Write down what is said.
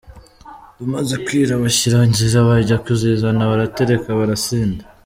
Bumaze kwira bashyira nzira bajya kuzizana; baratereka barasinda.